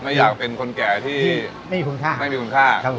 ไม่อยากเป็นคนแก่ที่ไม่มีคุณค่าไม่มีคุณค่า